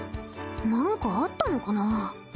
何かあったのかな